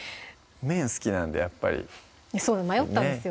麺好きなんでやっぱりそう迷ったんですよ